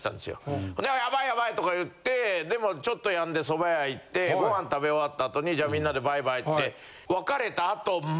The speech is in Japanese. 「ヤバいヤバい！」とか言ってでもちょっとやんでそば屋行ってご飯食べ終わったあとにじゃあみんなでバイバイって。